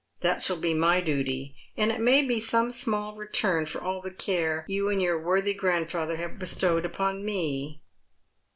That shall be my duty, and it may be some small return for all the care you and your worthy grandfather have bestowed upon me."